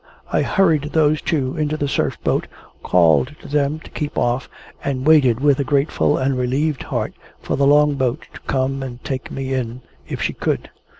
I hurried those two into the Surf boat, called to them to keep off, and waited with a grateful and relieved heart for the Long boat to come and take me in, if she could.